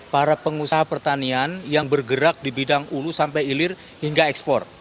para pengusaha pertanian yang bergerak di bidang ulu sampai hilir hingga ekspor